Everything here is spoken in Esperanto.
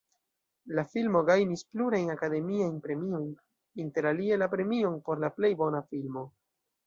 La filmo gajnis plurajn Akademiajn Premiojn, interalie la premion por la plej bona filmo.